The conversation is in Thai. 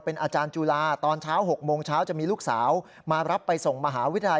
อาจารย์จุฬาตอนเช้า๖โมงเช้าจะมีลูกสาวมารับไปส่งมหาวิทยาลัย